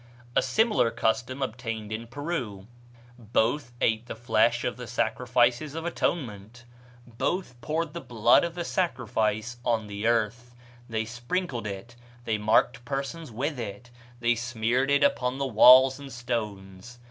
A similar custom obtained in Peru. Both ate the flesh of the sacrifices of atonement; both poured the blood of the sacrifice on the earth; they sprinkled it, they marked persons with it, they smeared it upon walls and stones.